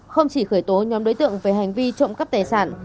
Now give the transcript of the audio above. không chỉ khởi tố nhóm đối tượng về hành vi trộm cắp tài sản